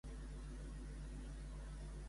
Boye defensa la seva innocència?